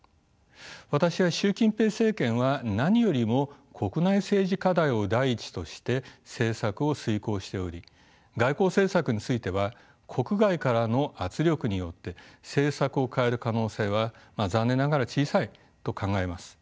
私は習近平政権は何よりも国内政治課題を第一として政策を遂行しており外交政策については国外からの圧力によって政策を変える可能性は残念ながら小さいと考えます。